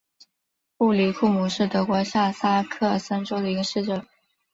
布林库姆是德国下萨克森州的一个市镇。